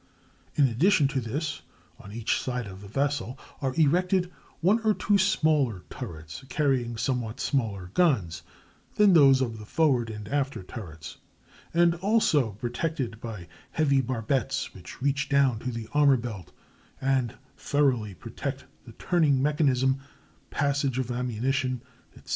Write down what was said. In addition to this, on each side of the vessel are erected one or two smaller turrets, carrying somewhat smaller guns than those of the forward and after turrets, and also protected by heavy barbettes which reach down to the armor belt and thoroughly protect the turning mechanism, passage of ammunition, etc.